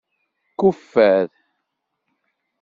Kuffer.